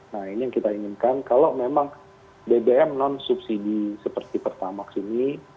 nah ini yang kita inginkan kalau memang bbm non subsidi seperti pertamax ini